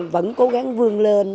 vẫn cố gắng vươn lên